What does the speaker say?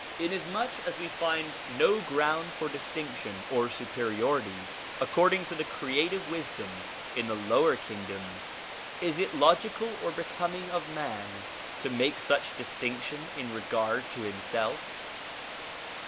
Inasmuch as we find no gi'ound for distinction or superiority according to the creative wisdom in the lower king doms, is it logical or becoming of man to make such distinction in regard to himself